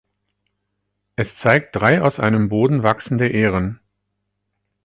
Es zeigt drei aus einem Boden wachsende Ähren.